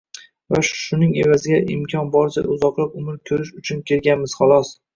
va shuning evaziga imkon boricha uzoqroq umr ko‘rish uchun kelganmiz, xolos.